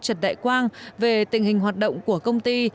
trần đại quang về tình hình hoạt động của công ty